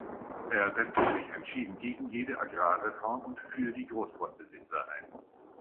Er setzte sich entschieden gegen jede Agrarreform und für die Großgrundbesitzer ein.